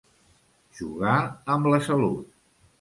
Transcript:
Jugar amb la salut.